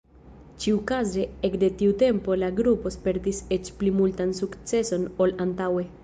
Ĉiukaze ekde tiu tempo la grupo spertis eĉ pli multan sukceson ol antaŭe.